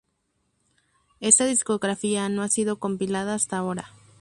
Esta discografía no ha sido compilada hasta ahora.